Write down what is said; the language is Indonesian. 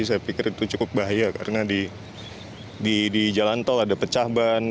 saya pikir itu cukup bahaya karena di jalan tol ada pecah ban